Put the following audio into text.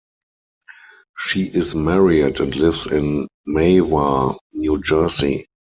She is married and lives in Mahwah, New Jersey.